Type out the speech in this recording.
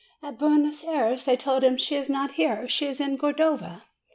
At Buenos Ayres they told him, 'She is not here; she is in Cordova.'